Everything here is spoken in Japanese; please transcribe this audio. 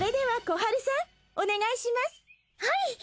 はい！